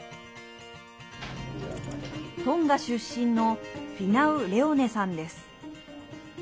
トンガ出身のフィナウ・レオネさんです。